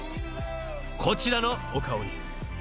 ［こちらのお顔に］